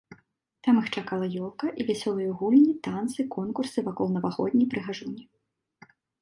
Там іх чакалі ёлка і вясёлыя гульні, танцы, конкурсы вакол навагодняй прыгажуні.